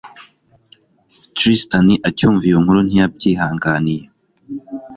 Tristan acyumva iyo nkuru ntiyabyihanganiye